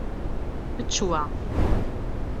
Ečč wa.